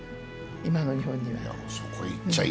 今の日本では。